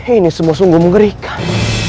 ini semua sungguh mengerikan